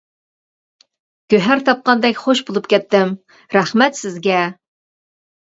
گۆھەر تاپقاندەك خۇش بولۇپ كەتتىم. رەھمەت سىزگە!